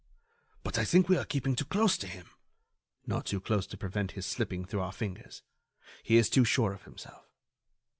"But I think we are keeping too close to him." "Not too close to prevent his slipping through our fingers. He is too sure of himself."